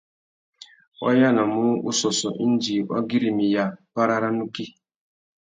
Wá yānamú ussôssô indi wa güirimiya párá râ nukí.